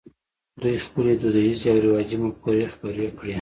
دوی خپلې دودیزې او رواجي مفکورې خپرې کړې.